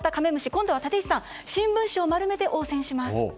今度は立石さん新聞紙を丸めて応戦します。